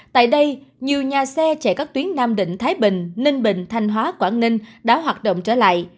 tại đây nhiều nhà xe chạy các tuyến nam định thái bình ninh bình thanh hóa quảng ninh đã hoạt động trở lại